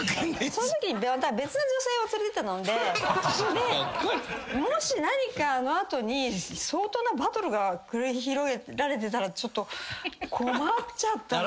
そのときにまた別の女性を連れてたのでもし何かあの後に相当なバトルが繰り広げられてたらちょっと困っちゃったな。